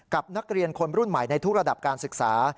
กับนักเรียนคนรุ่นใหม่ในทุกระดับการศึกษา